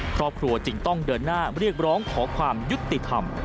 ครอบครัวจึงต้องเดินหน้าเรียกร้องขอความยุติธรรม